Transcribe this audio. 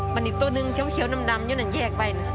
มันอีกตัวนึงเขียวดำอยู่นั่นแยกไป